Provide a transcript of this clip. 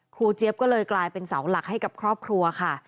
เจี๊ยบก็เลยกลายเป็นเสาหลักให้กับครอบครัวค่ะ